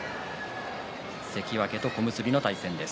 関脇と小結の対戦です。